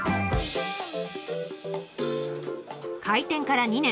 開店から２年。